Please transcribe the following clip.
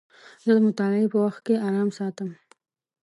زه د مطالعې په وخت کې ارام ساتم.